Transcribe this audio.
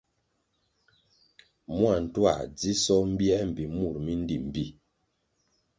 Mua ntuā dzisoh mbiē mbpi mur mi ndí mbpí.